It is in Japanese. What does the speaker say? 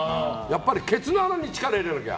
ケツの穴に力を入れなきゃ！